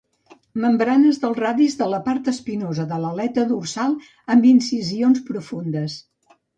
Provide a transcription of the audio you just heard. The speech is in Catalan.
Membranes dels radis de la part espinosa de l'aleta dorsal amb incisions profundes.